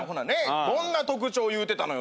どんな特徴言うてたのよ